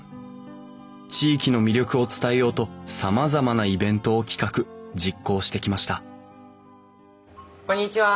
地域の魅力を伝えようとさまざまなイベントを企画実行してきましたこんにちは。